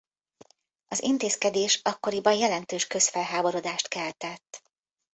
Az intézkedés akkoriban jelentős közfelháborodást keltett.